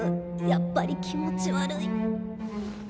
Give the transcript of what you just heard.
やっぱり気持ち悪い。